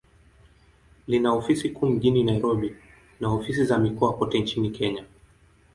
Lina ofisi kuu mjini Nairobi, na ofisi za mikoa kote nchini Kenya.